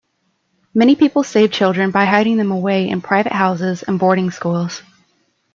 Many people saved children by hiding them away in private houses and boarding schools.